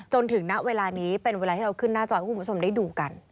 จนถึงณเวลานี้เป็นเวลาที่เราขึ้นหน้าจอให้คุณผู้ชมได้ดูกัน